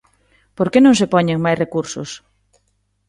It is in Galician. ¿Por que non se poñen máis recursos?